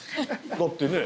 だってねぇ。